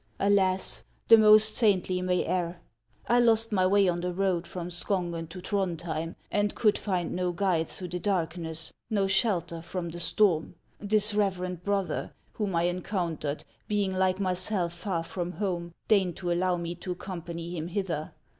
Alas ! the most saintly may err. I lost my way on the road from Skongen to Throndhjem, and could find no guide through the darkness, no shelter from the HANS OF ICELAND. 143 storm. This reverend brother, whom I encountered, being like myself far from home, deigned to allow me to accom pany him hither.